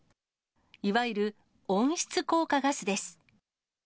いわゆる温室効果ガスです。